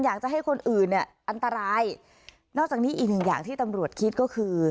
อยากจะให้คนอื่นเนี่ยอันตรายนอกจากนี้อีกหนึ่งอย่างที่ตำรวจคิดก็คือ